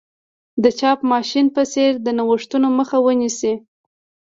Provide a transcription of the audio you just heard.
د چاپ ماشین په څېر د نوښتونو مخه ونیسي.